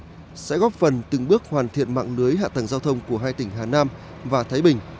đó sẽ góp phần từng bước hoàn thiện mạng lưới hạ tầng giao thông của hai tỉnh hà nam và thái bình